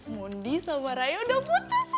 moni sama raya udah putus mam